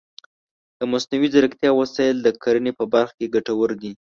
د مصنوعي ځیرکتیا وسایل د کرنې په برخه کې ګټور دي.